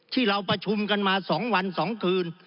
ที่เราประชุมกันมา๒วัน๒คืน